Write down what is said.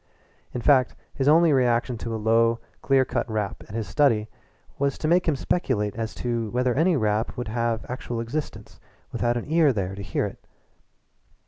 In fact, his only reaction to a low, clear cut rap at his study was to make him speculate as to whether any rap would have actual existence without an ear there to hear it.